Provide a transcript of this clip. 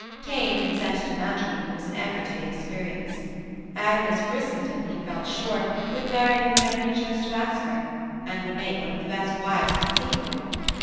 Tame consent to matrimony was an everyday experience. Agnes Brissenden, he felt sure, would marry him whenever he chose to ask her—and would make one of the best wives conceivable.